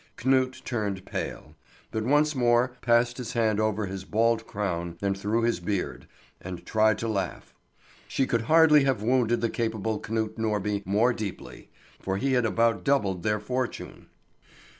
Knut turned pale, but once more passed his hand over his bald crown and through his beard, and tried to laugh. She could hardly have wounded the capable Knut Norby more deeply, for he had about doubled their fortune.